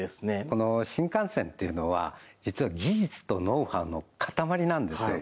この新幹線っていうのは実は技術とノウハウの塊なんですよ